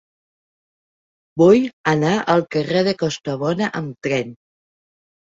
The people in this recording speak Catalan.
Vull anar al carrer de Costabona amb tren.